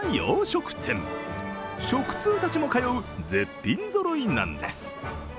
食通たちも通う絶品ぞろいなんです。